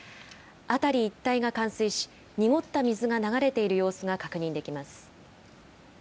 辺り一帯が冠水し、濁った水が流れている様子が確認できます。